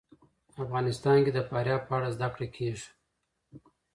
افغانستان کې د فاریاب په اړه زده کړه کېږي.